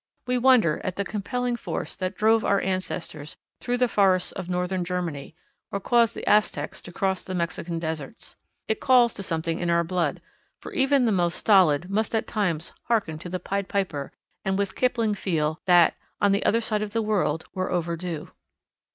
We wonder at the compelling force that drove our ancestors through the forests of northern Germany, or caused the Aztecs to cross the Mexican deserts. It calls to something in our blood, for even the most stolid must at times hearken to the Pied Piper and with Kipling feel that "On the other side the world we're overdue."